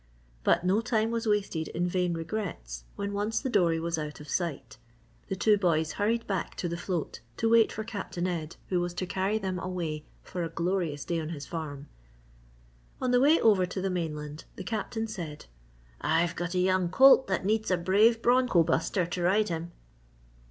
But no time was wasted in vain regrets when once the dory was out of sight. The two boys hurried back to the float to wait for Captain Ed who was to carry them away for a glorious day on his farm. On the way over to the mainland, the Captain said: "I've got a young colt that needs a brave broncho buster to ride him."